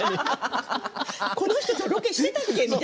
この人とロケしてたっけって。